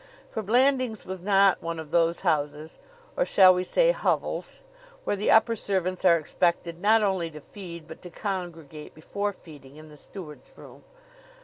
For Blandings was not one of those houses or shall we say hovels? where the upper servants are expected not only to feed but to congregate before feeding in the steward's room.